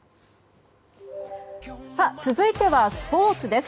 続いては、スポーツです。